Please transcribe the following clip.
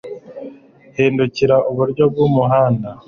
Hindukirira iburyo bwumuhanda